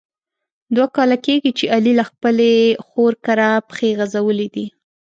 دوه کاله کېږي چې علي له خپلې خور کره پښې غزولي دي.